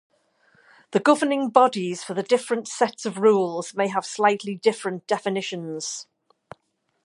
The governing bodies for the different sets of rules may have slightly different definitions.